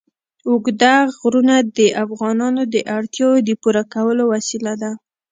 اوږده غرونه د افغانانو د اړتیاوو د پوره کولو وسیله ده.